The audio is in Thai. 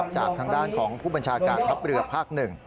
จากทางด้านของผู้บัญชาการทัพเรือภาค๑